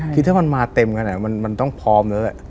คือถ้ามันมาเต็มกันมันต้องพร้อมเลย